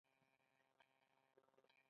د جلال اباد سراج العمارت مشهور دی